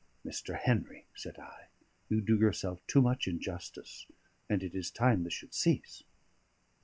"Mr. Henry," said I, "you do yourself too much injustice, and it is time this should cease."